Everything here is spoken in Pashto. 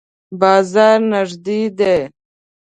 بازار نږدې دی؟